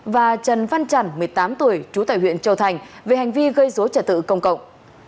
và trần văn trần một mươi tám tuổi chú tại huyện châu thành về hành vi gây rối trả tự công cộng